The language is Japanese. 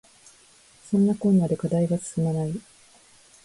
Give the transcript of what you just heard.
そんなこんなで課題が進まない